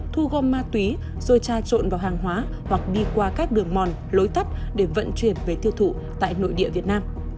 thu gom ma túy rồi tra trộn vào hàng hóa hoặc đi qua các đường mòn lối tắt để vận chuyển về tiêu thụ tại nội địa việt nam